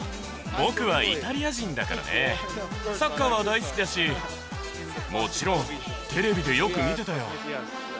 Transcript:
僕はイタリア人だからね、サッカーは大好きだし、もちろんテレビでよく見てたよ。